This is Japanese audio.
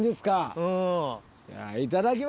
うん。